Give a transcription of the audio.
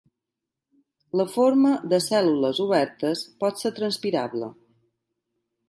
La forma de cèl·lules obertes pot ser transpirable.